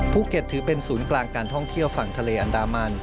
ภูเก็ตถือเป็นศูนย์กลางการท่องเที่ยวฝั่งทะเลอันดามัน